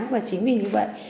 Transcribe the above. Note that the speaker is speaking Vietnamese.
và chính vì như vậy